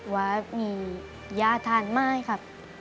ว่ามียาทานม่ายครับ